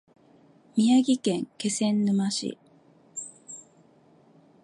宮城県気仙沼市